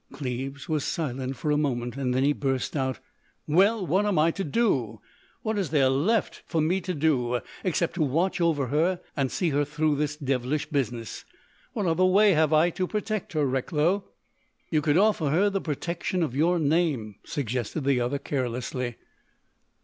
Cleves was silent for a moment, then he burst out: "Well, what am I to do? What is there left for me to do except to watch over her and see her through this devilish business? What other way have I to protect her, Recklow?" "You could offer her the protection of your name," suggested the other, carelessly.